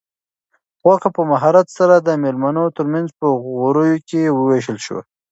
غوښه په مهارت سره د مېلمنو تر منځ په غوریو کې وویشل شوه.